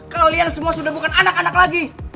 kalian semua sudah bukan anak anak lagi